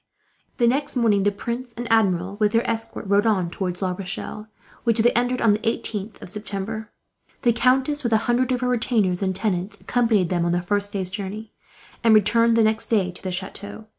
The next morning the prince and Admiral, with their escort, rode on towards La Rochelle; which they entered on the 18th September. The countess, with a hundred of her retainers and tenants, accompanied them on the first day's journey; and returned, the next day, to the chateau.